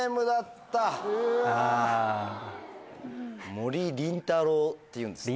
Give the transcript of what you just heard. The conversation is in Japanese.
森林太郎っていうんですって。